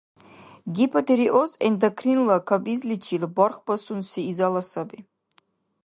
Гипотиреоз – эндокринла кабизличил бархбасунси изала саби.